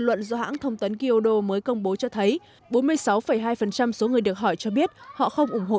luận do hãng thông tấn kyodo mới công bố cho thấy bốn mươi sáu hai số người được hỏi cho biết họ không ủng hộ